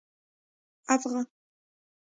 افغ